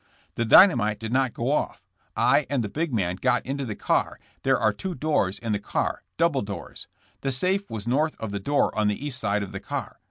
*'The dynamite did not go off. I and the big man got into the car; there are two doors in the car — double doors. The safe was north of the door on the east side of the car.